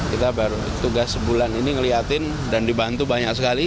kita baru tugas sebulan ini ngeliatin dan dibantu banyak sekali